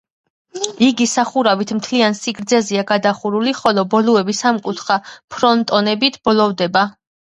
იგი სახურავით მთლიან სიგრძეზეა გადახურული, ხოლო ბოლოები სამკუთხა ფრონტონებით ბოლოვდება.